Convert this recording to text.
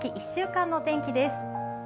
１週刊の天気です。